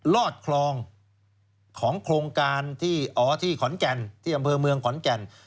ลอดคลองของโครงการที่อ๋อที่ขอนแก่นที่อำเภอเมืองขอนแก่น